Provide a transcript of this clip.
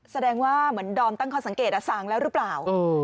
แสดงว่าเหมือนดอมตั้งข้อสังเกตสั่งแล้วหรือเปล่า